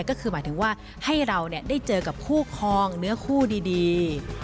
ก็คือหมายถึงว่าให้เราได้เจอกับคู่คลองเนื้อคู่ดี